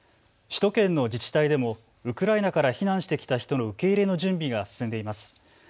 首都圏の自治体でもウクライナから避難してきた人の受け入れの準備が進んでいます。